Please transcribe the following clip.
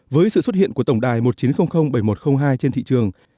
với sự xuất hiện của tổng đài một chín không không bảy một không hai trên thị trường